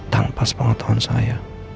tanpa sepengetahuan saya